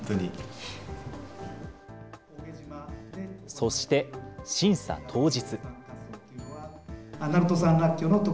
そして、審査当日。